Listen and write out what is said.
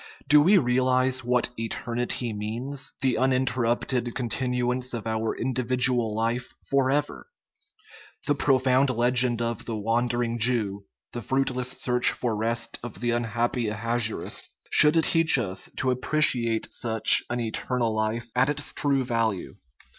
Do we realize what " eternity " means? the uninterrupted continuance of our individual life forever! The pro found legend of the "wandering Jew," the fruitless search for rest of the unhappy Ahasuerus, should teach us to appreciate such an " eternal life " at its true value.